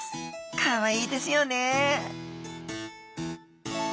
かわいいですよね